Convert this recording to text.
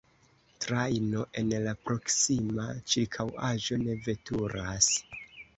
Trajno en la proksima ĉirkaŭaĵo ne veturas.